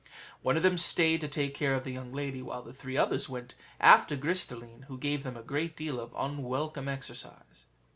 One of them stayed to take care of the young lady, while the three others went after Gris de line, who gave them a great deal of unwelcome exercise.